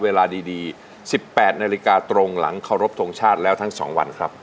เวลาดี๑๘นาฬิกาตรงหลังเคารพทงชาติแล้วทั้ง๒วันครับ